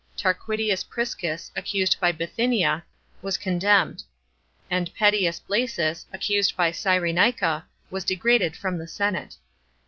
Tarquitius Piiscus, accused by Bithynia, was condemned; and Pedius Blassus, accused by Cyrenaica, was degraded from the senate.